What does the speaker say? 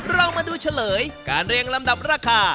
เรามาดูเฉลยการเรียงลำดับราคา